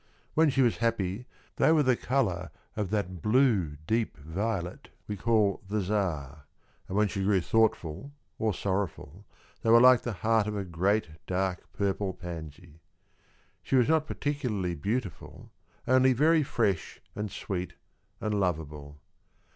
When she was happy they were the colour of that blue, deep violet we call the Czar, and when she grew thoughtful, or sorrowful, they were like the heart of a great, dark purple pansy. She was not particularly beautiful, only very fresh, and sweet, and lovable.